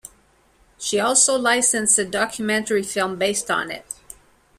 She also licensed a documentary film based on it.